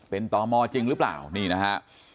เป็นตมจริงหรือเปล่านี่นะฮะ